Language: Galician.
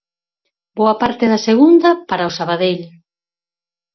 Boa parte da Segunda, para o Sabadell.